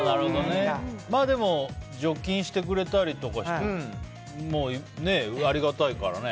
でも、除菌してくれたりとかありがたいからね。